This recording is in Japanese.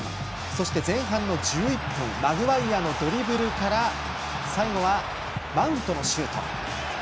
そして前半１１分マグワイアのドリブルから最後はマウントのシュート。